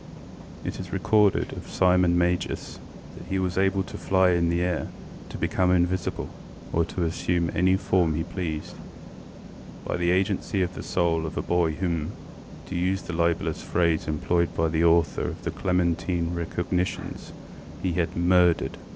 ŌĆ£It is recorded of Simon Magus that he was able to fly in the air, to become invisible, or to assume any form he pleased, by the agency of the soul of a boy whom, to use the libellous phrase employed by the author of the Clementine Recognitions, he had ŌĆśmurderedŌĆÖ.